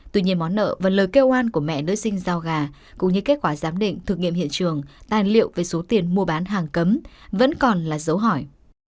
tuy nhiên món nợ và lời kêu oan của mẹ nơi sinh giao gà cũng như kết quả giám định thực nghiệm hiện trường tài liệu về số tiền mua bán hàng cấm vẫn còn là dấu hỏi